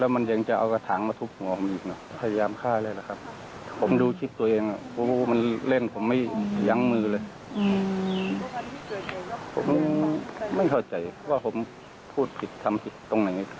ไม่เข้าใจว่าผมพูดผิดทำผิดตรงไหน